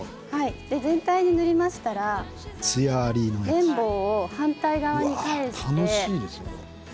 全体に塗りましたら綿棒を反対側に返して。